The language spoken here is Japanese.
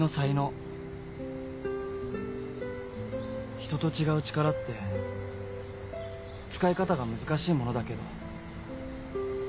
人と違う力って使い方が難しいものだけど。